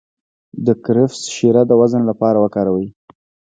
د کرفس شیره د وزن لپاره وکاروئ